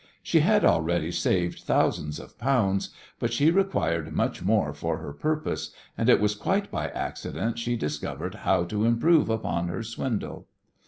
She had already saved thousands of pounds, but she required much more for her purpose, and it was quite by accident she discovered how to improve upon her swindle.